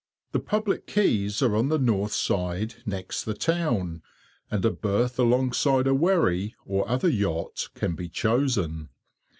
The public quays are on the north side next the town, and a berth alongside a wherry or other yacht can be chosen.